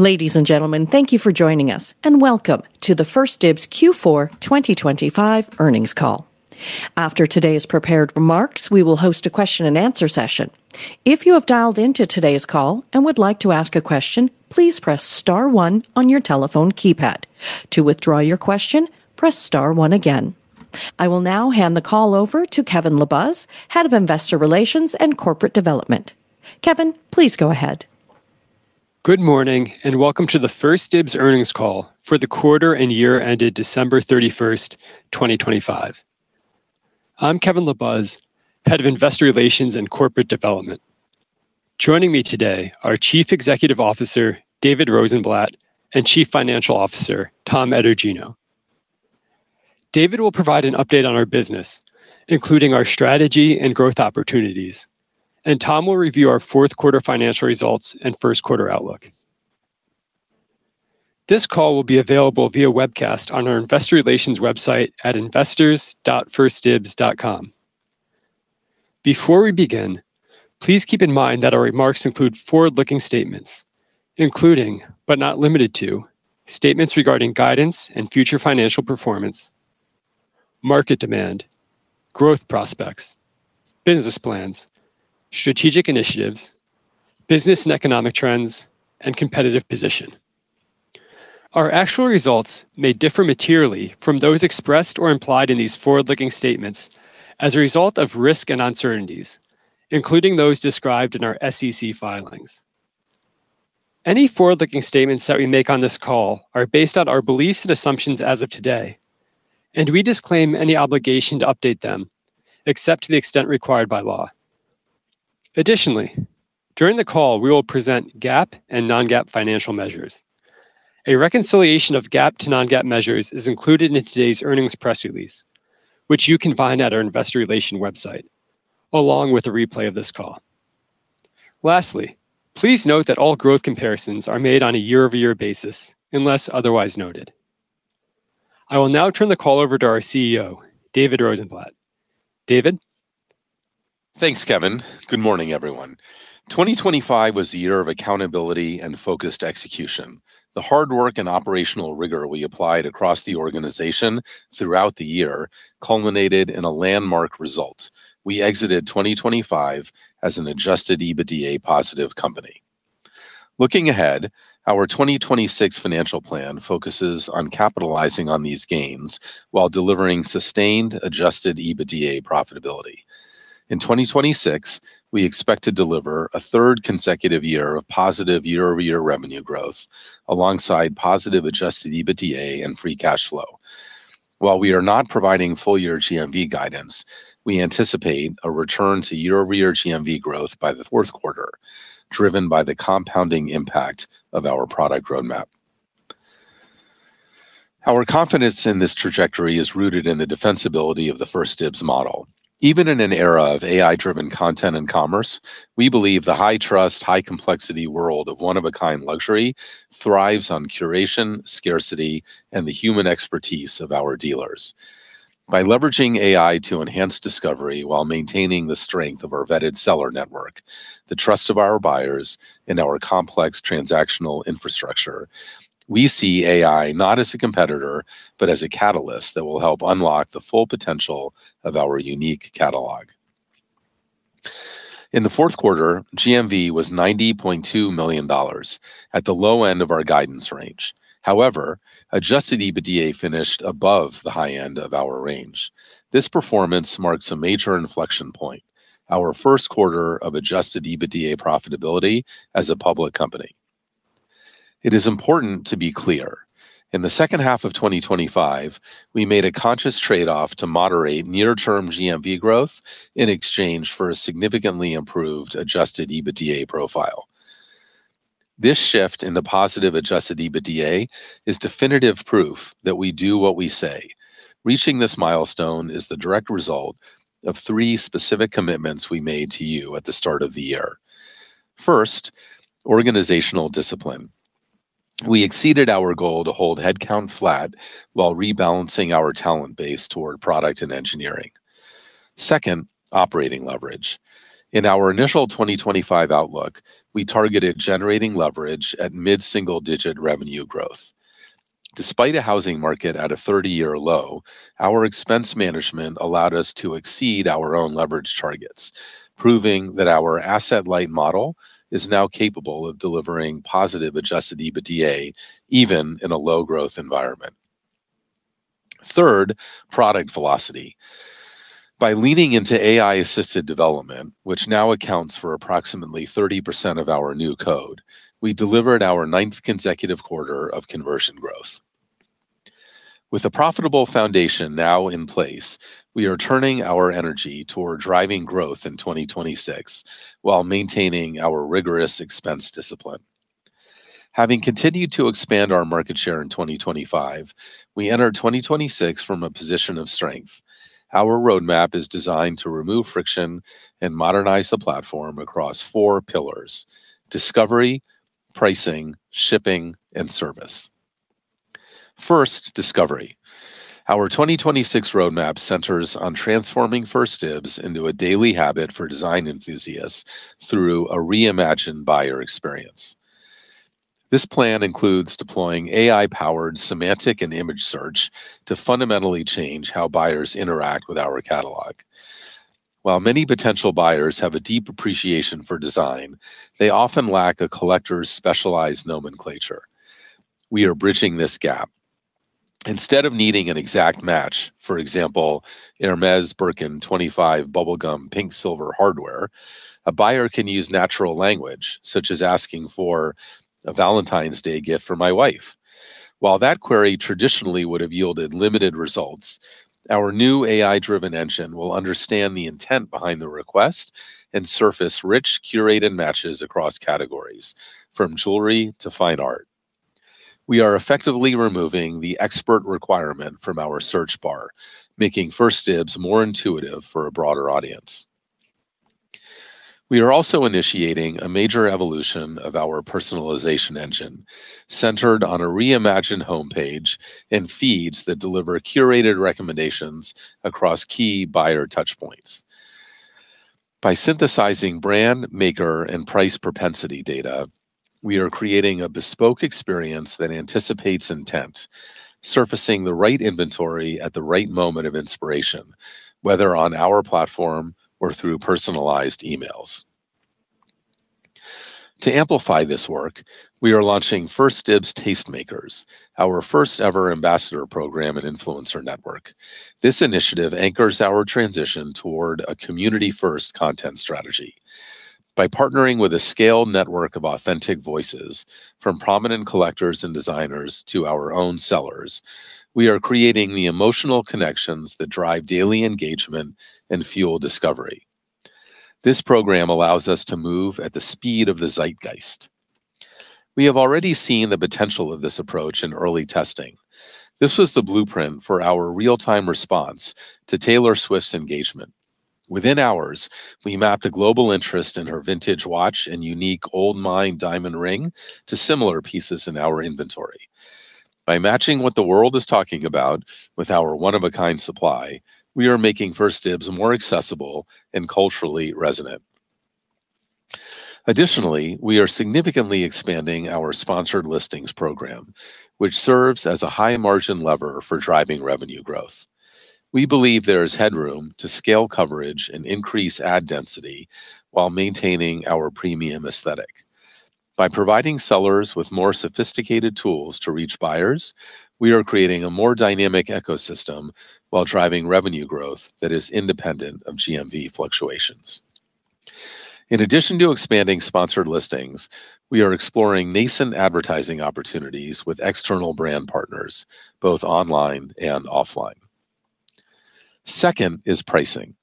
Ladies and gentlemen, thank you for joining us. Welcome to the 1stDibs Q Four 2025 earnings call. After today's prepared remarks, we will host a question and answer session. If you have dialed into today's call and would like to ask a question, please press star one on your telephone keypad. To withdraw your question, press star one again. I will now hand the call over to Kevin LaBuz, Head of Investor Relations and Corporate Development. Kevin, please go ahead. Good morning, and welcome to the 1stDibs earnings call for the quarter and year ended December 31st, 2025. I'm Kevin LaBuz, Head of Investor Relations and Corporate Development. Joining me today are Chief Executive Officer, David Rosenblatt, and Chief Financial Officer, Thomas Etergino. David will provide an update on our business, including our strategy and growth opportunities, and Tom will review our fourth quarter financial results and first quarter outlook. This call will be available via webcast on our investor relations website at investors.1stdibs.com. Before we begin, please keep in mind that our remarks include forward-looking statements, including, but not limited to, statements regarding guidance and future financial performance, market demand, growth prospects, business plans, strategic initiatives, business and economic trends, and competitive position. Our actual results may differ materially from those expressed or implied in these forward-looking statements as a result of risks and uncertainties, including those described in our SEC filings. Any forward-looking statements that we make on this call are based on our beliefs and assumptions as of today, and we disclaim any obligation to update them, except to the extent required by law. Additionally, during the call, we will present GAAP and non-GAAP financial measures. A reconciliation of GAAP to non-GAAP measures is included in today's earnings press release, which you can find at our investor relation website, along with a replay of this call. Lastly, please note that all growth comparisons are made on a year-over-year basis unless otherwise noted. I will now turn the call over to our CEO, David Rosenblatt. David? Thanks, Kevin. Good morning, everyone. 2025 was a year of accountability and focused execution. The hard work and operational rigor we applied across the organization throughout the year culminated in a landmark result. We exited 2025 as an Adjusted EBITDA-positive company. Looking ahead, our 2026 financial plan focuses on capitalizing on these gains while delivering sustained Adjusted EBITDA profitability. In 2026, we expect to deliver a third consecutive year of positive year-over-year revenue growth, alongside positive Adjusted EBITDA and free cash flow. While we are not providing full-year GMV guidance, we anticipate a return to year-over-year GMV growth by the fourth quarter, driven by the compounding impact of our product roadmap. Our confidence in this trajectory is rooted in the defensibility of the 1stDibs model. Even in an era of AI-driven content and commerce, we believe the high trust, high complexity world of one-of-a-kind luxury thrives on curation, scarcity, and the human expertise of our dealers. By leveraging AI to enhance discovery while maintaining the strength of our vetted seller network, the trust of our buyers, and our complex transactional infrastructure, we see AI not as a competitor, but as a catalyst that will help unlock the full potential of our unique catalog. In the fourth quarter, GMV was $90.2 million, at the low end of our guidance range. Adjusted EBITDA finished above the high end of our range. This performance marks a major inflection point, our first quarter of Adjusted EBITDA profitability as a public company. It is important to be clear. In the second half of 2025, we made a conscious trade-off to moderate near-term GMV growth in exchange for a significantly improved Adjusted EBITDA profile. This shift in the positive Adjusted EBITDA is definitive proof that we do what we say. Reaching this milestone is the direct result of three specific commitments we made to you at the start of the year. First, organizational discipline. We exceeded our goal to hold headcount flat while rebalancing our talent base toward product and engineering. Second, operating leverage. In our initial 2025 outlook, we targeted generating leverage at mid-single-digit revenue growth. Despite a housing market at a 30-year low, our expense management allowed us to exceed our own leverage targets, proving that our asset-light model is now capable of delivering positive Adjusted EBITDA, even in a low-growth environment. Third, product velocity. By leaning into AI-assisted development, which now accounts for approximately 30% of our new code, we delivered our ninth consecutive quarter of conversion growth. With a profitable foundation now in place, we are turning our energy toward driving growth in 2026 while maintaining our rigorous expense discipline. Having continued to expand our market share in 2025, we entered 2026 from a position of strength. Our roadmap is designed to remove friction and modernize the platform across four pillars: discovery, pricing, shipping, and service. First, discovery. Our 2026 roadmap centers on transforming 1stDibs into a daily habit for design enthusiasts through a reimagined buyer experience. This plan includes deploying AI-powered semantic and image search to fundamentally change how buyers interact with our catalog. While many potential buyers have a deep appreciation for design, they often lack a collector's specialized nomenclature. We are bridging this gap. Instead of needing an exact match, for example, in Hermès Birkin 25 bubblegum pink silver hardware, a buyer can use natural language, such as asking for a Valentine's Day gift for my wife. That query traditionally would have yielded limited results, our new AI-driven engine will understand the intent behind the request and surface rich, curated matches across categories, from jewelry to fine art. We are effectively removing the expert requirement from our search bar, making 1stDibs more intuitive for a broader audience. We are also initiating a major evolution of our personalization engine, centered on a reimagined homepage and feeds that deliver curated recommendations across key buyer touchpoints. By synthesizing brand, maker, and price propensity data, we are creating a bespoke experience that anticipates intent, surfacing the right inventory at the right moment of inspiration, whether on our platform or through personalized emails. To amplify this work, we are launching 1stDibs Tastemakers, our first-ever ambassador program and influencer network. This initiative anchors our transition toward a community-first content strategy. By partnering with a scaled network of authentic voices, from prominent collectors and designers to our own sellers, we are creating the emotional connections that drive daily engagement and fuel discovery. This program allows us to move at the speed of the zeitgeist. We have already seen the potential of this approach in early testing. This was the blueprint for our real-time response to Taylor Swift's engagement. Within hours, we mapped the global interest in her vintage watch and unique Old Mine diamond ring to similar pieces in our inventory. By matching what the world is talking about with our one-of-a-kind supply, we are making 1stDibs more accessible and culturally resonant. Additionally, we are significantly expanding our sponsored listings program, which serves as a high-margin lever for driving revenue growth. We believe there is headroom to scale coverage and increase ad density while maintaining our premium aesthetic. By providing sellers with more sophisticated tools to reach buyers, we are creating a more dynamic ecosystem while driving revenue growth that is independent of GMV fluctuations. In addition to expanding sponsored listings, we are exploring nascent advertising opportunities with external brand partners, both online and offline. Second is pricing.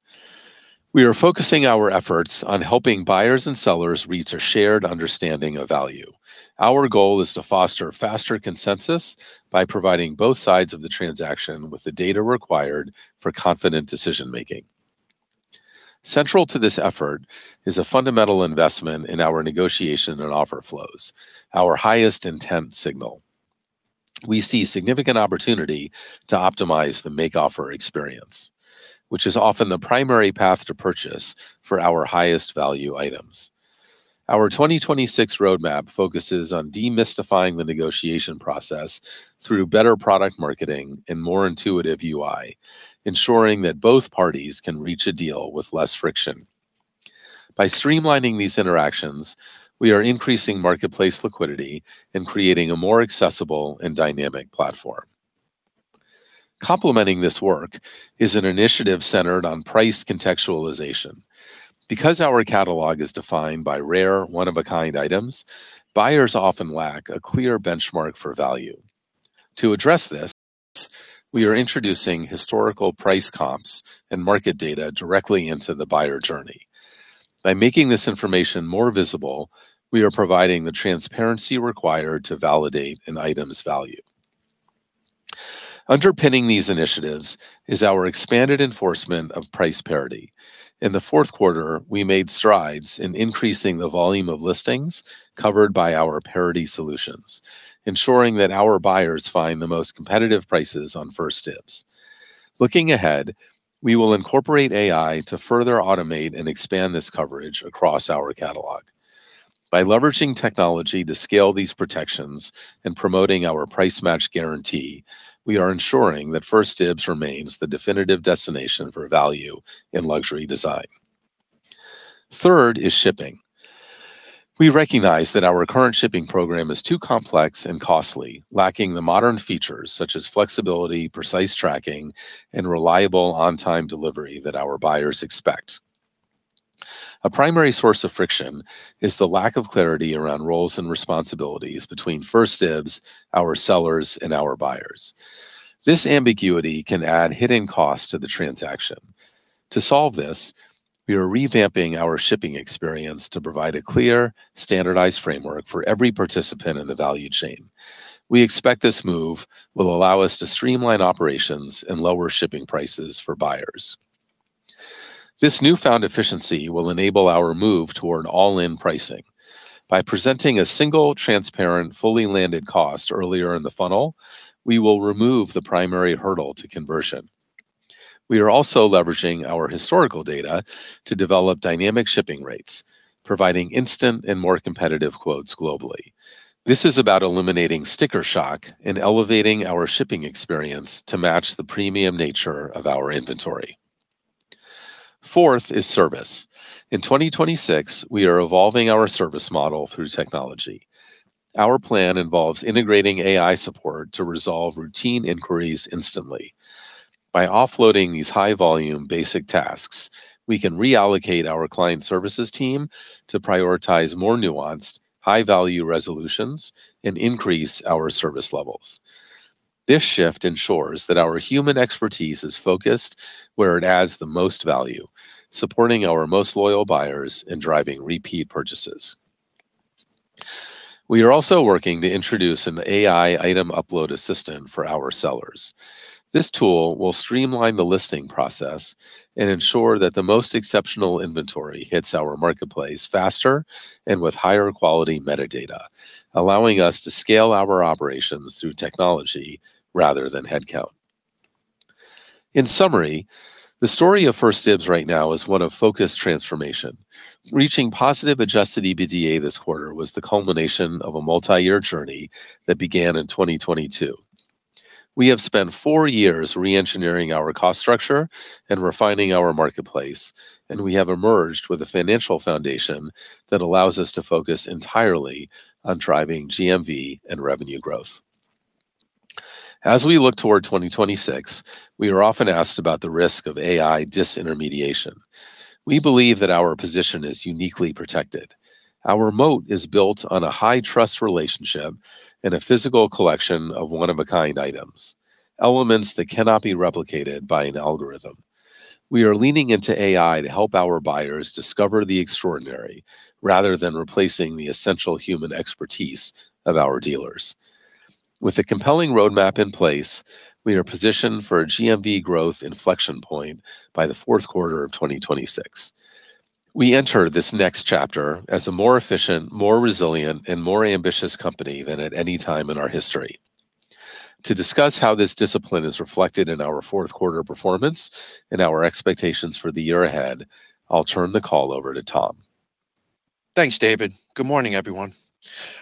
We are focusing our efforts on helping buyers and sellers reach a shared understanding of value. Our goal is to foster faster consensus by providing both sides of the transaction with the data required for confident decision-making. Central to this effort is a fundamental investment in our negotiation and offer flows, our highest intent signal. We see significant opportunity to optimize the make offer experience, which is often the primary path to purchase for our highest value items. Our 2026 roadmap focuses on demystifying the negotiation process through better product marketing and more intuitive UI, ensuring that both parties can reach a deal with less friction. By streamlining these interactions, we are increasing marketplace liquidity and creating a more accessible and dynamic platform. Complementing this work is an initiative centered on price contextualization. Because our catalog is defined by rare, one-of-a-kind items, buyers often lack a clear benchmark for value. To address this, we are introducing historical price comps and market data directly into the buyer journey. By making this information more visible, we are providing the transparency required to validate an item's value. Underpinning these initiatives is our expanded enforcement of price parity. In the fourth quarter, we made strides in increasing the volume of listings covered by our parity solutions, ensuring that our buyers find the most competitive prices on 1stDibs. Looking ahead, we will incorporate AI to further automate and expand this coverage across our catalog. By leveraging technology to scale these protections and promoting our Price-Match Guarantee, we are ensuring that 1stDibs remains the definitive destination for value in luxury design. Third is shipping. We recognize that our current shipping program is too complex and costly, lacking the modern features such as flexibility, precise tracking, and reliable on-time delivery that our buyers expect. A primary source of friction is the lack of clarity around roles and responsibilities between 1stDibs, our sellers, and our buyers. This ambiguity can add hidden costs to the transaction. To solve this, we are revamping our shipping experience to provide a clear, standardized framework for every participant in the value chain. We expect this move will allow us to streamline operations and lower shipping prices for buyers. This newfound efficiency will enable our move toward all-in pricing. By presenting a single, transparent, fully landed cost earlier in the funnel, we will remove the primary hurdle to conversion. We are also leveraging our historical data to develop dynamic shipping rates, providing instant and more competitive quotes globally. This is about eliminating sticker shock and elevating our shipping experience to match the premium nature of our inventory. Fourth is service. In 2026, we are evolving our service model through technology. Our plan involves integrating AI support to resolve routine inquiries instantly. By offloading these high-volume, basic tasks, we can reallocate our client services team to prioritize more nuanced, high-value resolutions and increase our service levels. This shift ensures that our human expertise is focused where it adds the most value, supporting our most loyal buyers and driving repeat purchases. We are also working to introduce an AI item upload assistant for our sellers. This tool will streamline the listing process and ensure that the most exceptional inventory hits our marketplace faster and with higher quality metadata, allowing us to scale our operations through technology rather than headcount. In summary, the story of 1stDibs right now is one of focused transformation. Reaching positive Adjusted EBITDA this quarter was the culmination of a multi-year journey that began in 2022. We have spent four years reengineering our cost structure and refining our marketplace, and we have emerged with a financial foundation that allows us to focus entirely on driving GMV and revenue growth. As we look toward 2026, we are often asked about the risk of AI disintermediation. We believe that our position is uniquely protected. Our moat is built on a high-trust relationship and a physical collection of one-of-a-kind items, elements that cannot be replicated by an algorithm. We are leaning into AI to help our buyers discover the extraordinary, rather than replacing the essential human expertise of our dealers. With a compelling roadmap in place, we are positioned for a GMV growth inflection point by the fourth quarter of 2026. We enter this next chapter as a more efficient, more resilient, and more ambitious company than at any time in our history. To discuss how this discipline is reflected in our fourth quarter performance and our expectations for the year ahead, I'll turn the call over to Tom. Thanks, David. Good morning, everyone.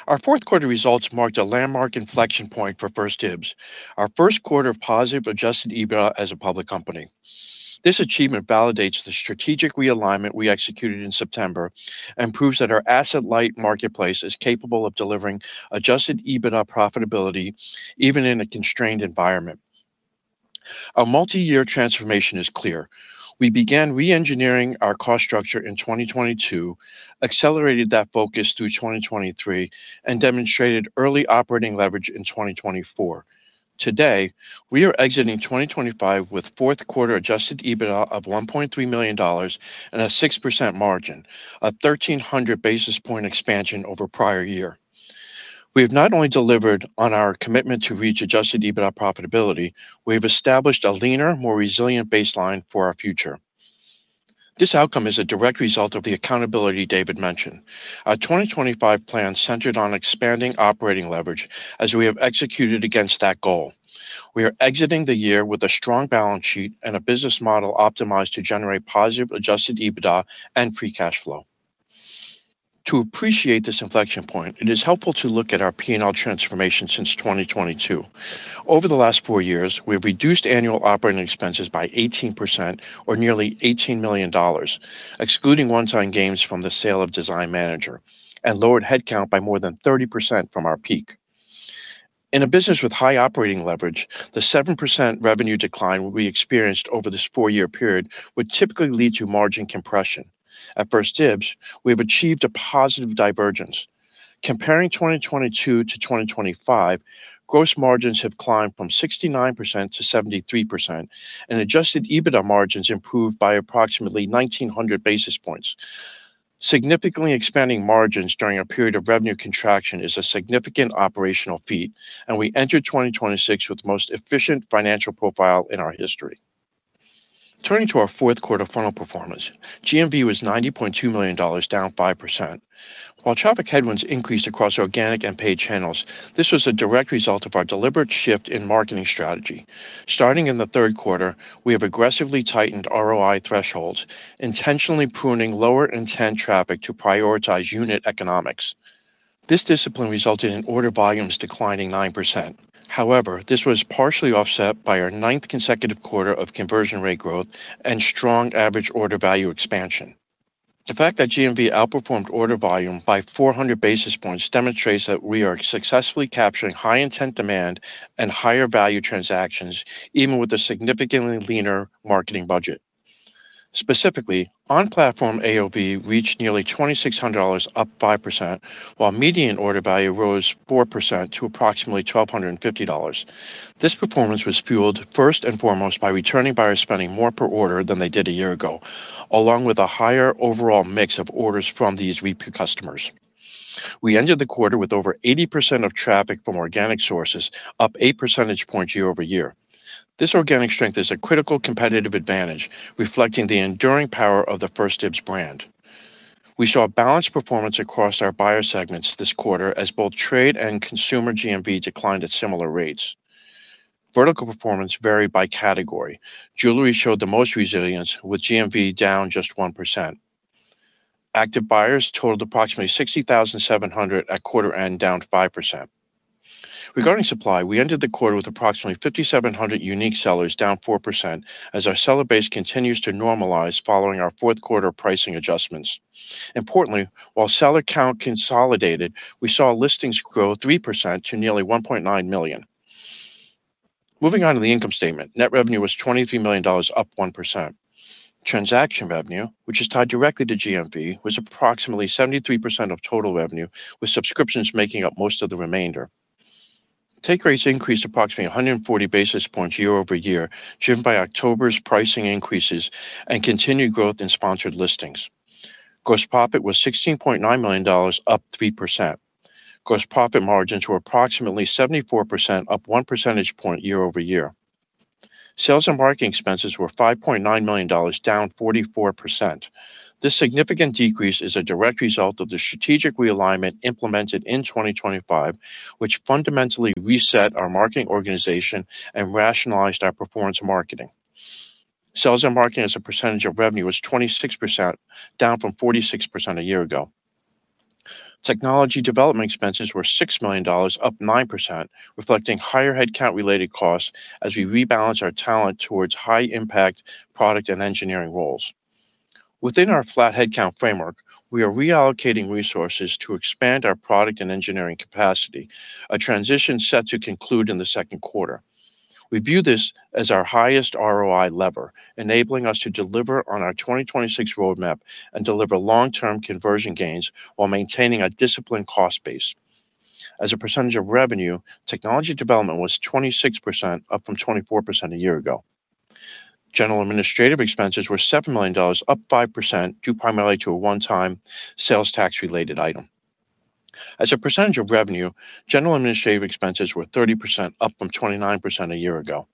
Our fourth quarter results marked a landmark inflection point for 1stDibs, our first quarter of positive Adjusted EBITDA as a public company. This achievement validates the strategic realignment we executed in September and proves that our asset-light marketplace is capable of delivering Adjusted EBITDA profitability, even in a constrained environment. Our multi-year transformation is clear. We began reengineering our cost structure in 2022, accelerated that focus through 2023, and demonstrated early operating leverage in 2024. Today, we are exiting 2025 with fourth quarter Adjusted EBITDA of $1.3 million and a 6% margin, a 1,300 basis point expansion over prior year. We have not only delivered on our commitment to reach Adjusted EBITDA profitability, we have established a leaner, more resilient baseline for our future. This outcome is a direct result of the accountability David mentioned. Our 2025 plan centered on expanding operating leverage as we have executed against that goal. We are exiting the year with a strong balance sheet and a business model optimized to generate positive Adjusted EBITDA and free cash flow. To appreciate this inflection point, it is helpful to look at our P&L transformation since 2022. Over the last four years, we have reduced annual operating expenses by 18% or nearly $18 million, excluding one-time gains from the sale of Design Manager, and lowered headcount by more than 30% from our peak. In a business with high operating leverage, the 7% revenue decline we experienced over this four year period would typically lead to margin compression. At 1stDibs, we have achieved a positive divergence. Comparing 2022 to 2025, gross margins have climbed from 69% to 73%, and Adjusted EBITDA margins improved by approximately 1,900 basis points. Significantly expanding margins during a period of revenue contraction is a significant operational feat. We enter 2026 with the most efficient financial profile in our history. Turning to our 4th quarter final performance, GMV was $90.2 million, down 5%. While traffic headwinds increased across organic and paid channels, this was a direct result of our deliberate shift in marketing strategy. Starting in the 3rd quarter, we have aggressively tightened ROI thresholds, intentionally pruning lower intent traffic to prioritize unit economics. This discipline resulted in order volumes declining 9%. However, this was partially offset by our 9th consecutive quarter of conversion rate growth and strong average order value expansion. The fact that GMV outperformed order volume by 400 basis points demonstrates that we are successfully capturing high intent demand and higher value transactions, even with a significantly leaner marketing budget. Specifically, on-platform AOV reached nearly $2,600, up 5%, while median order value rose 4% to approximately $1,250. This performance was fueled first and foremost by returning buyers spending more per order than they did a year ago, along with a higher overall mix of orders from these repeat customers.... We ended the quarter with over 80% of traffic from organic sources, up 8 percentage points year-over-year. This organic strength is a critical competitive advantage, reflecting the enduring power of the 1stDibs brand. We saw a balanced performance across our buyer segments this quarter, as both trade and consumer GMV declined at similar rates. Vertical performance varied by category. Jewelry showed the most resilience, with GMV down just 1%. Active buyers totaled approximately 60,700 at quarter end, down 5%. Regarding supply, we ended the quarter with approximately 5,700 unique sellers, down 4%, as our seller base continues to normalize following our fourth quarter pricing adjustments. Importantly, while seller count consolidated, we saw listings grow 3% to nearly 1.9 million. Moving on to the income statement. Net revenue was $23 million, up 1%. Transaction revenue, which is tied directly to GMV, was approximately 73% of total revenue, with subscriptions making up most of the remainder. Take rates increased approximately 140 basis points year-over-year, driven by October's pricing increases and continued growth in sponsored listings. Gross profit was $16.9 million, up 3%. Gross profit margins were approximately 74%, up 1 percentage point year-over-year. Sales and marketing expenses were $5.9 million, down 44%. This significant decrease is a direct result of the strategic realignment implemented in 2025, which fundamentally reset our marketing organization and rationalized our performance marketing. Sales and marketing as a percentage of revenue was 26%, down from 46% a year ago. Technology development expenses were $6 million, up 9%, reflecting higher headcount-related costs as we rebalance our talent towards high-impact product and engineering roles. Within our flat headcount framework, we are reallocating resources to expand our product and engineering capacity, a transition set to conclude in the second quarter. We view this as our highest ROI lever, enabling us to deliver on our 2026 roadmap and deliver long-term conversion gains while maintaining a disciplined cost base. As a percentage of revenue, technology development was 26%, up from 24% a year ago. General administrative expenses were $7 million, up 5%, due primarily to a one-time sales tax-related item. As a percentage of revenue, general administrative expenses were 30%, up from 29% a year ago.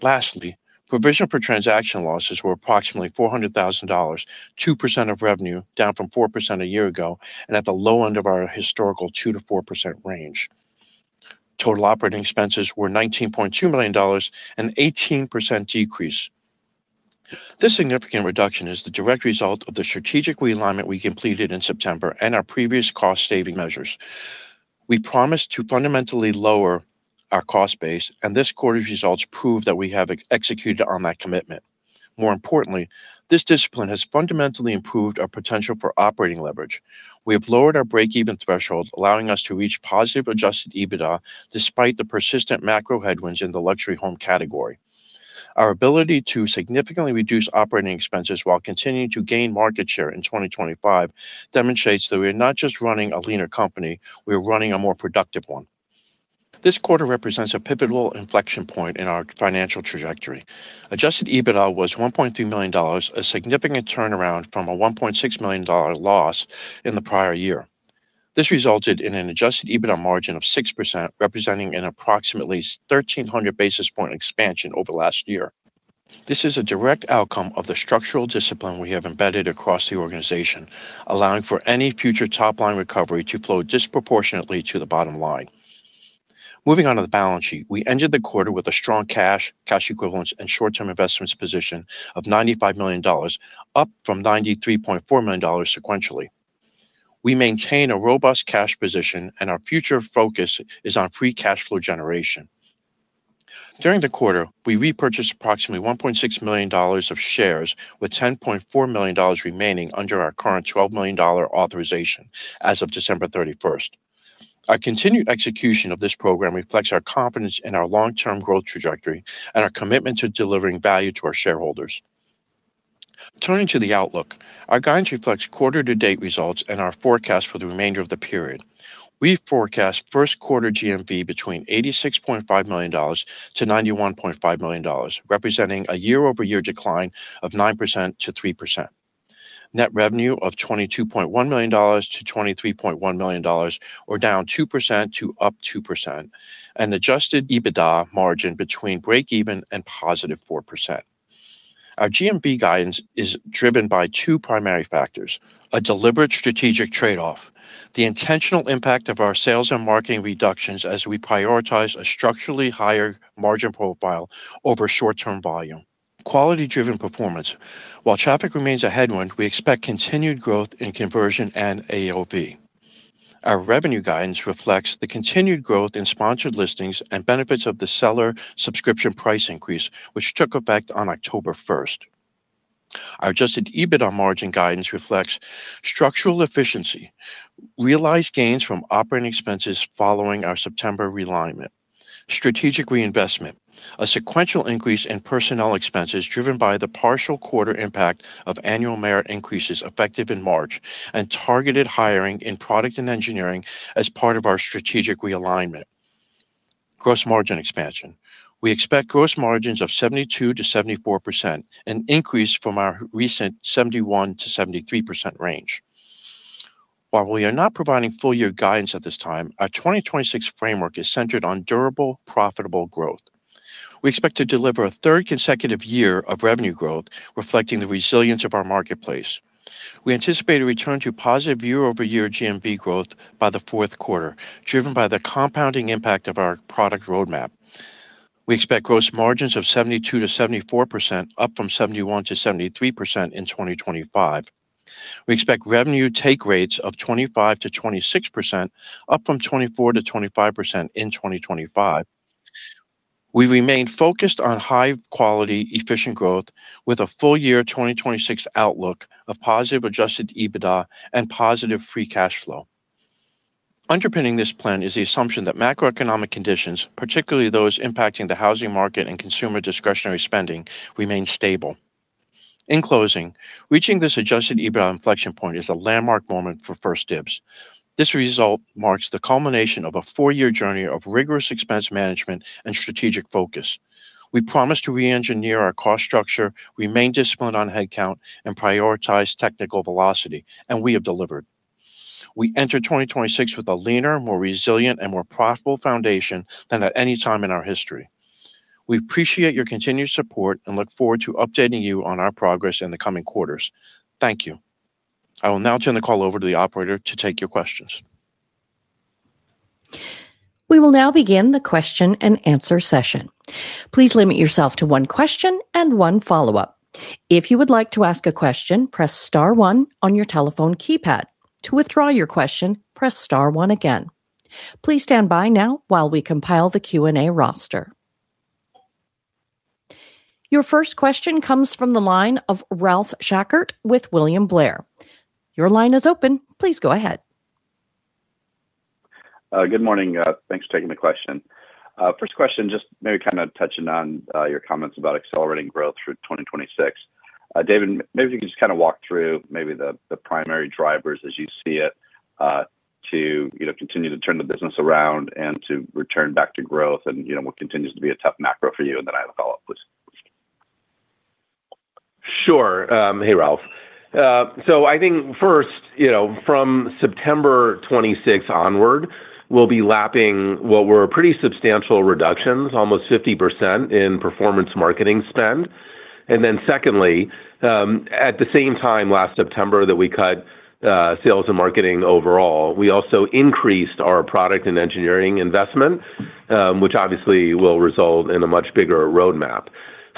Lastly, provision for transaction losses were approximately $400,000, 2% of revenue, down from 4% a year ago, and at the low end of our historical 2%-4% range. Total operating expenses were $19.2 million, an 18% decrease. This significant reduction is the direct result of the strategic realignment we completed in September and our previous cost-saving measures. We promised to fundamentally lower our cost base, and this quarter's results prove that we have executed on that commitment. More importantly, this discipline has fundamentally improved our potential for operating leverage. We have lowered our breakeven threshold, allowing us to reach positive Adjusted EBITDA despite the persistent macro headwinds in the luxury home category. Our ability to significantly reduce operating expenses while continuing to gain market share in 2025 demonstrates that we are not just running a leaner company, we are running a more productive one. This quarter represents a pivotal inflection point in our financial trajectory. Adjusted EBITDA was $1.3 million, a significant turnaround from a $1.6 million loss in the prior year. This resulted in an Adjusted EBITDA margin of 6%, representing an approximately 1,300 basis point expansion over last year. This is a direct outcome of the structural discipline we have embedded across the organization, allowing for any future top-line recovery to flow disproportionately to the bottom line. Moving on to the balance sheet. We ended the quarter with a strong cash equivalents, and short-term investments position of $95 million, up from $93.4 million sequentially. We maintain a robust cash position. Our future focus is on free cash flow generation. During the quarter, we repurchased approximately $1.6 million of shares, with $10.4 million remaining under our current $12 million authorization as of December 31st. Our continued execution of this program reflects our confidence in our long-term growth trajectory and our commitment to delivering value to our shareholders. Turning to the outlook. Our guidance reflects quarter-to-date results and our forecast for the remainder of the period. We forecast first quarter GMV between $86.5 million-$91.5 million, representing a year-over-year decline of 9%-3%. Net revenue of $22.1 million-$23.1 million, or down -2% to +2%, and Adjusted EBITDA margin between breakeven and +4%. Our GMV guidance is driven by two primary factors: a deliberate strategic trade-off, the intentional impact of our sales and marketing reductions as we prioritize a structurally higher margin profile over short-term volume. Quality-driven performance. While traffic remains a headwind, we expect continued growth in conversion and AOV. Our revenue guidance reflects the continued growth in sponsored listings and benefits of the seller subscription price increase, which took effect on October 1st. Our Adjusted EBITDA margin guidance reflects structural efficiency, realized gains from operating expenses following our September realignment. Strategic reinvestment, a sequential increase in personnel expenses driven by the partial quarter impact of annual merit increases effective in March, and targeted hiring in product and engineering as part of our strategic realignment. Gross margin expansion. We expect gross margins of 72%-74%, an increase from our recent 71%-73% range. While we are not providing full year guidance at this time, our 2026 framework is centered on durable, profitable growth. We expect to deliver a third consecutive year of revenue growth, reflecting the resilience of our marketplace. We anticipate a return to positive year-over-year GMV growth by the fourth quarter, driven by the compounding impact of our product roadmap. We expect gross margins of 72%-74%, up from 71%-73% in 2025. We expect revenue take rates of 25%-26%, up from 24%-25% in 2025. We remain focused on high quality, efficient growth with a full year 2026 outlook of positive Adjusted EBITDA and positive free cash flow. Underpinning this plan is the assumption that macroeconomic conditions, particularly those impacting the housing market and consumer discretionary spending, remain stable. In closing, reaching this Adjusted EBITDA inflection point is a landmark moment for 1stDibs. This result marks the culmination of a four year journey of rigorous expense management and strategic focus. We promised to reengineer our cost structure, remain disciplined on headcount, and prioritize technical velocity. We have delivered. We enter 2026 with a leaner, more resilient, and more profitable foundation than at any time in our history. We appreciate your continued support and look forward to updating you on our progress in the coming quarters. Thank you. I will now turn the call over to the operator to take your questions. We will now begin the question-and-answer session. Please limit yourself to one question and one follow-up. If you would like to ask a question, press star one on your telephone keypad. To withdraw your question, press star one again. Please stand by now while we compile the Q&A roster. Your first question comes from the line of Ralph Schackart with William Blair. Your line is open. Please go ahead. Good morning. Thanks for taking the question. First question, just maybe kind of touching on your comments about accelerating growth through 2026. David, maybe you can just kind of walk through maybe the primary drivers as you see it, to, you know, continue to turn the business around and to return back to growth and, you know, what continues to be a tough macro for you. Then I have a follow-up, please. Sure. Hey, Ralph. I think first, you know, from September 26 onward, we'll be lapping what were pretty substantial reductions, almost 50% in performance marketing spend. Secondly, at the same time, last September, that we cut sales and marketing overall, we also increased our product and engineering investment, which obviously will result in a much bigger roadmap.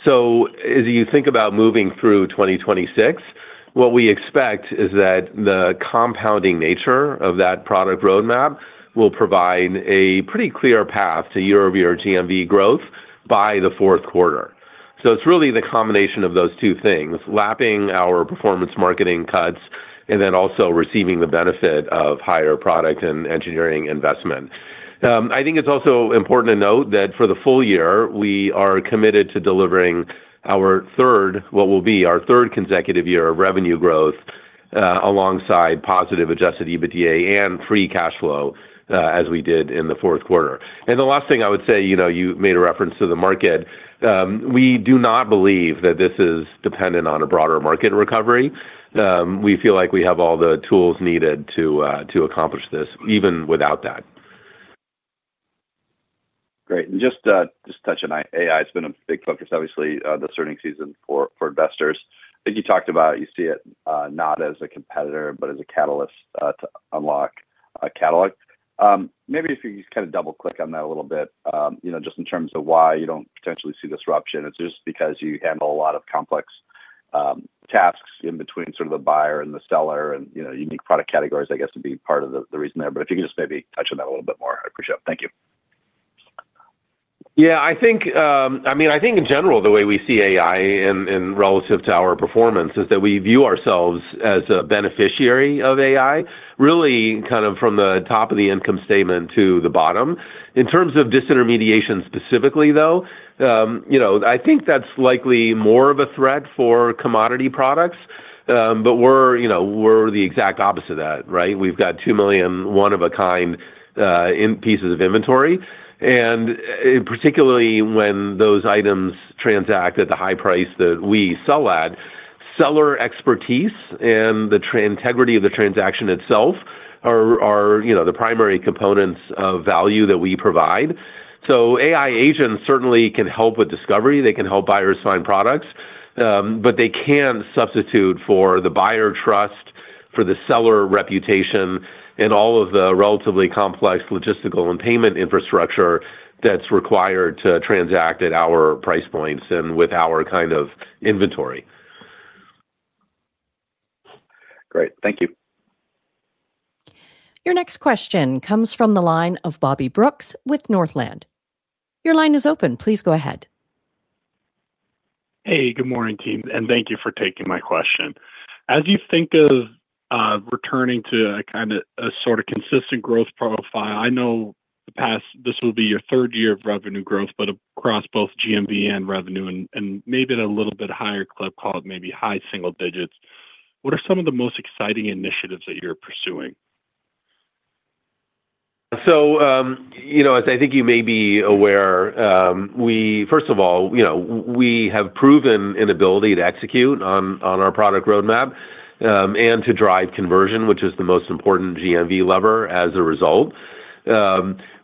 As you think about moving through 2026, what we expect is that the compounding nature of that product roadmap will provide a pretty clear path to year-over-year GMV growth by the fourth quarter. It's really the combination of those two things, lapping our performance marketing cuts and also receiving the benefit of higher product and engineering investment. I think it's also important to note that for the full year, we are committed to delivering our 3rd consecutive year of revenue growth, alongside positive Adjusted EBITDA and free cash flow, as we did in the 4th quarter. The last thing I would say, you know, you made a reference to the market. We do not believe that this is dependent on a broader market recovery. We feel like we have all the tools needed to accomplish this, even without that. Great. Just touching on AI, it's been a big focus, obviously, this earning season for investors. I think you talked about you see it not as a competitor, but as a catalyst to unlock a catalog. Maybe if you just kind of double-click on that a little bit, you know, just in terms of why you don't potentially see disruption. It's just because you handle a lot of complex tasks in between sort of the buyer and the seller and, you know, unique product categories, I guess, would be part of the reason there. If you could just maybe touch on that a little bit more, I'd appreciate it. Thank you. I mean, I think in general, the way we see AI in relative to our performance is that we view ourselves as a beneficiary of AI, really kind of from the top of the income statement to the bottom. In terms of disintermediation specifically, though, you know, I think that's likely more of a threat for commodity products. We're, you know, we're the exact opposite of that, right? We've got 2 million, one-of-a-kind pieces of inventory, particularly when those items transact at the high price that we sell at, seller expertise and the integrity of the transaction itself are, you know, the primary components of value that we provide. AI agents certainly can help with discovery, they can help buyers find products, but they can't substitute for the buyer trust, for the seller reputation, and all of the relatively complex logistical and payment infrastructure that's required to transact at our price points and with our kind of inventory. Great. Thank you. Your next question comes from the line of Bobby Brooks with Northland. Your line is open. Please go ahead. Hey, good morning, team, and thank you for taking my question. As you think of returning to a kind of a sort of consistent growth profile, I know this will be your third year of revenue growth, but across both GMV and revenue, and maybe at a little bit higher clip, call it maybe high single digits, what are some of the most exciting initiatives that you're pursuing? you know, as I think you may be aware, first of all, you know, we have proven inability to execute on our product roadmap, and to drive conversion, which is the most important GMV lever as a result.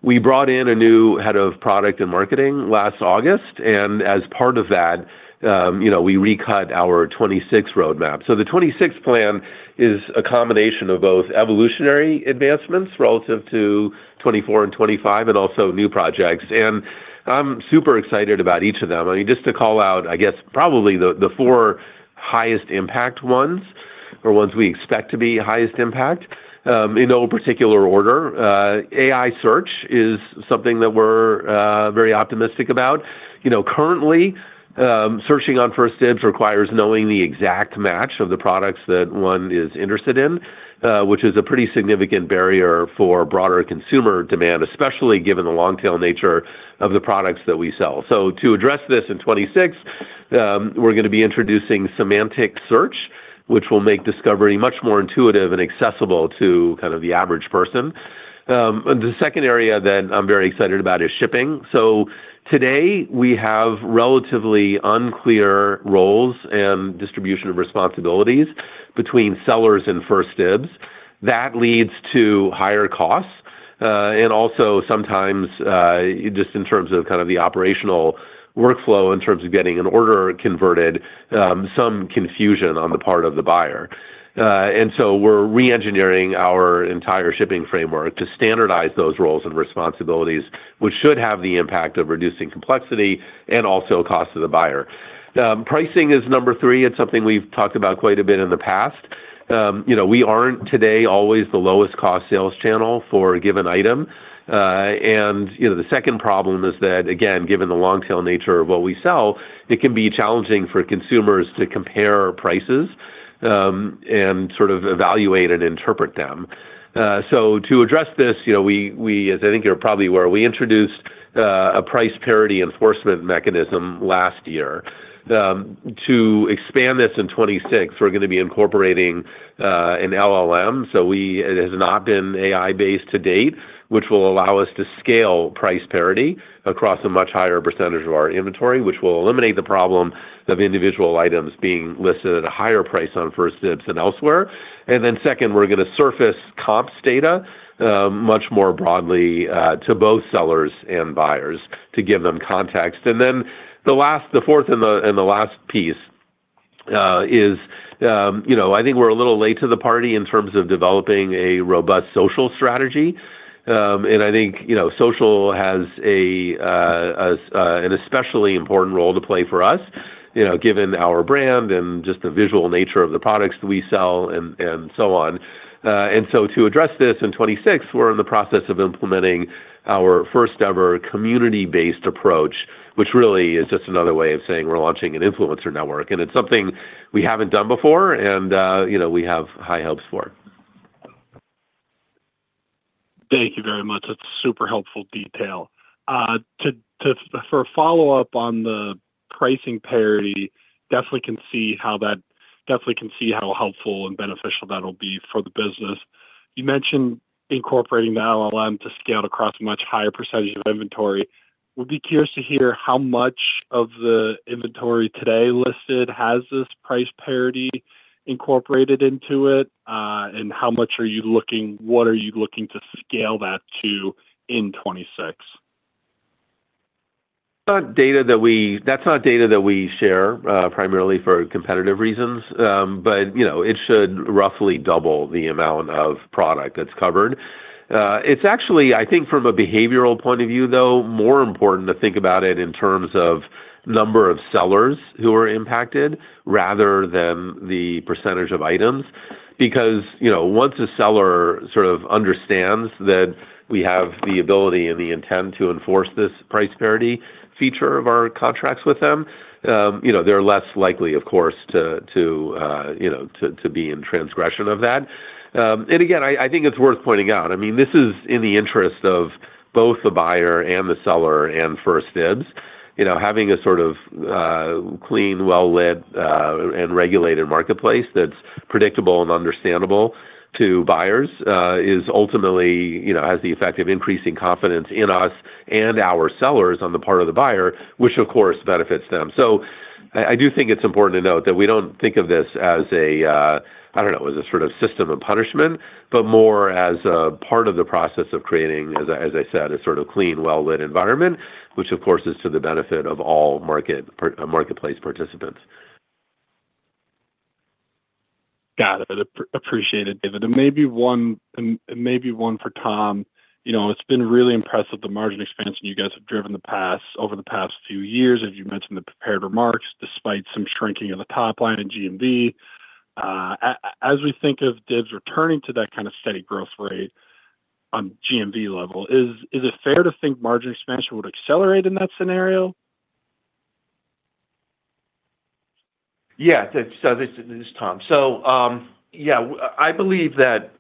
We brought in a new head of product and marketing last August, and as part of that, you know, we recut our 2026 roadmap. The 2026 plan is a combination of both evolutionary advancements relative to 2024 and 2025, and also new projects. I'm super excited about each of them. I mean, just to call out, I guess, probably the four highest impact ones or ones we expect to be highest impact, in no particular order, AI search is something that we're very optimistic about. You know, currently, searching on 1stDibs requires knowing the exact match of the products that one is interested in, which is a pretty significant barrier for broader consumer demand, especially given the long-tail nature of the products that we sell. To address this in 2026, we're gonna be introducing semantic search, which will make discovery much more intuitive and accessible to kind of the average person. The second area that I'm very excited about is shipping. Today, we have relatively unclear roles and distribution of responsibilities between sellers and 1stDibs. That leads to higher costs, and also sometimes, just in terms of kind of the operational workflow, in terms of getting an order converted, some confusion on the part of the buyer. We're reengineering our entire shipping framework to standardize those roles and responsibilities, which should have the impact of reducing complexity and also cost to the buyer. Pricing is number 3. It's something we've talked about quite a bit in the past. You know, we aren't today always the lowest cost sales channel for a given item. You know, the second problem is that, again, given the long-tail nature of what we sell, it can be challenging for consumers to compare prices and sort of evaluate and interpret them. To address this, you know, we, as I think you're probably aware, we introduced a price parity enforcement mechanism last year. To expand this in 2026, we're gonna be incorporating an LLM. It has not been AI-based to date, which will allow us to scale price parity across a much higher percentage of our inventory, which will eliminate the problem of individual items being listed at a higher price on 1stDibs than elsewhere. Second, we're gonna surface comps data much more broadly to both sellers and buyers to give them context. The fourth and the last piece is, you know, I think we're a little late to the party in terms of developing a robust social strategy. I think, you know, social has an especially important role to play for us, you know, given our brand and just the visual nature of the products we sell and so on. To address this, in 2026, we're in the process of implementing our first-ever community-based approach, which really is just another way of saying we're launching an influencer network, and it's something we haven't done before, and, you know, we have high hopes for it. Thank you very much. That's super helpful detail. For a follow-up on the price parity, definitely can see how helpful and beneficial that'll be for the business. You mentioned incorporating the LLM to scale across a much higher % of inventory. Would be curious to hear how much of the inventory today listed has this price parity incorporated into it, and what are you looking to scale that to in 26? Not data that we share, primarily for competitive reasons. You know, it should roughly double the amount of product that's covered. Actually, I think, from a behavioral point of view, though, more important to think about it in terms of number of sellers who are impacted rather than the percentage of items. Because, you know, once a seller sort of understands that we have the ability and the intent to enforce this price parity feature of our contracts with them, you know, they're less likely, of course, to be in transgression of that. Again, I think it's worth pointing out, I mean, this is in the interest of both the buyer and the seller and 1stDibs. You know, having a sort of, clean, well-lit, and regulated marketplace that's predictable and understandable to buyers, is ultimately, you know, has the effect of increasing confidence in us and our sellers on the part of the buyer, which of course, benefits them. I do think it's important to note that we don't think of this as a, I don't know, as a sort of system of punishment, but more as a part of the process of creating, as I said, a sort of clean, well-lit environment, which, of course, is to the benefit of all marketplace participants. Got it. Appreciate it, David. Maybe one for Tom. You know, it's been really impressive, the margin expansion you guys have driven over the past few years, as you mentioned in the prepared remarks, despite some shrinking of the top line in GMV. As we think of 1stDibs returning to that kind of steady growth rate on GMV level, is it fair to think margin expansion would accelerate in that scenario? This is Tom. I believe that,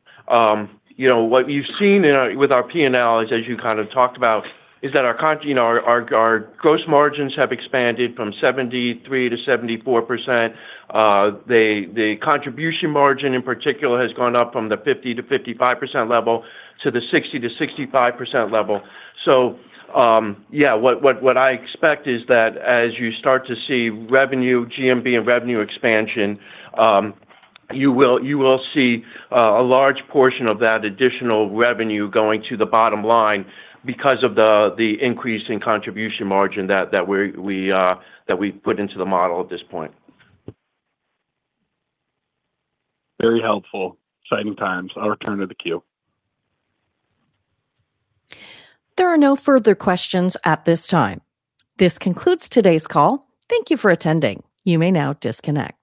you know, what you've seen with our P&L, as you kind of talked about, is that our gross margins have expanded from 73%-74%. The contribution margin, in particular, has gone up from the 50%-55% level to the 60%-65% level. What I expect is that as you start to see revenue, GMV and revenue expansion, you will see a large portion of that additional revenue going to the bottom line because of the increase in contribution margin that we've put into the model at this point. Very helpful. Exciting times. I'll return to the queue. There are no further questions at this time. This concludes today's call. Thank you for attending. You may now disconnect.